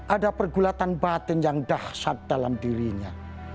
ada pergulatan batin yang dahsyat dalam dirinya